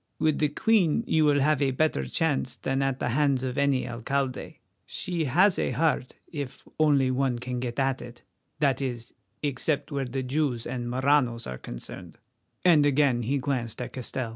With the Queen you will have a better chance than at the hands of any alcalde. She has a heart, if only one can get at it—that is, except where Jews and Maranos are concerned," and again he glanced at Castell.